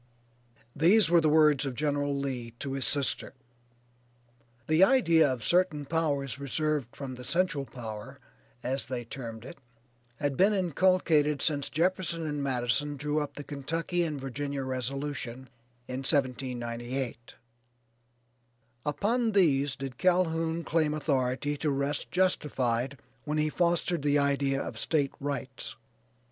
These were the words of General Lee to his sister. The idea of certain power reserved from the "central power," as they termed it, had been inculcated since Jefferson and Madison drew up the Kentucky and Virginia resolution in 1798. Upon these did Calhoun claim authority to rest justified when he fostered the idea of State Rights.